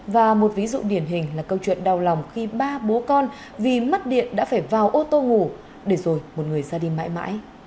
và một ví dụ điển hình là câu chuyện đau lòng khi ba bố con vì mất điện đã phải vào ô tô ngủ để rồi một người ra đi mãi mãi